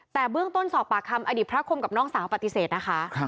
แต่เบื้องต้นสอบปากคำอดีตพระคมกับน้องสาวปฏิเสธนะคะ